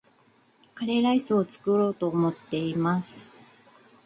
カレーライスを作ろうと思っています